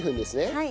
はい。